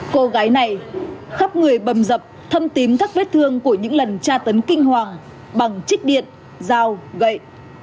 cô gái này khắp người bầm dập thâm tím các vết thương của những lần tra tấn kinh hoàng bằng trích điện dao gậy